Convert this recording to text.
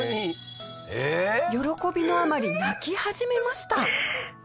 喜びのあまり泣き始めました。